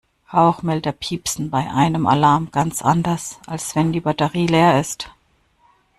Rauchmelder piepen bei einem Alarm ganz anders, als wenn die Batterie leer ist.